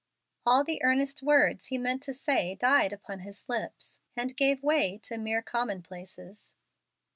All the earnest words he meant to say died upon his lips, and gave way to mere commonplaces.